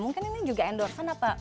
mungkin ini juga endorsement apa